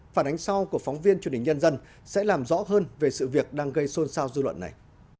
phản ánh sau của phóng viên truyền hình nhân dân sẽ làm rõ hơn về sự việc đang gây xôn xao dư luận này